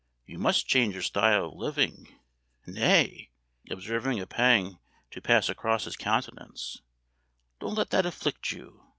You must change your style of living nay," observing a pang to pass across his countenance, "don't let that afflict you.